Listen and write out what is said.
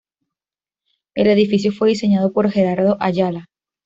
El edificio fue diseñado por Gerardo Ayala.